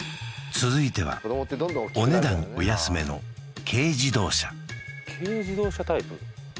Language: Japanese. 続いてはお値段お安めの軽自動車軽自動車タイプ